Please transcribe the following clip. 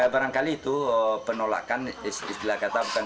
pertanyaan terakhir mengapa ini terjadi